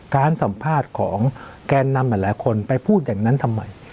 การสัมภาษณ์ของแกนนำหลายคนไปพูดอย่างนั้นทำไม